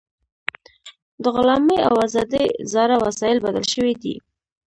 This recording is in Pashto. د غلامۍ او ازادۍ زاړه وسایل بدل شوي دي.